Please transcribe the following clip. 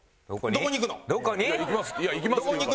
「どこに行くの」？